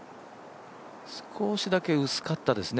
少しだけ薄かったですね